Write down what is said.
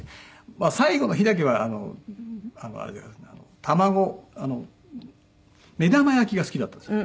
最後の日だけはあの卵あの目玉焼きが好きだったんですよ。